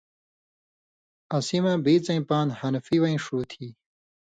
اسیں مہ بِڅَیں پان٘د (حنفی وَیں) ݜُو تھی۔